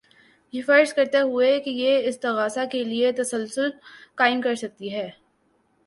یہ فرض کرتے ہوئے کہ یہ استغاثہ کے لیے تسلسل قائم کر سکتی ہے